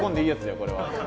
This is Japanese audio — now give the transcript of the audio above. これは。